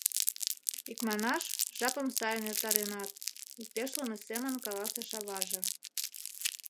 — Икманаш, жапым сайын эртаренат, — иктешлыме семын каласыш аваже.